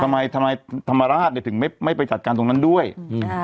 ทำไมทำลายธรรมราชถึงไม่ไม่ไปจัดการตรงนั้นด้วยอืมใช่